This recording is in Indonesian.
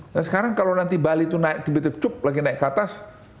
dan sekarang kalau nanti bali itu naik tipe tipe cup lagi naik ke atas